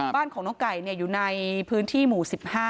บ้านของน้องไก่อยู่ในพื้นที่หมู่๑๕